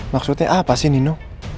maksudnya apa sih nino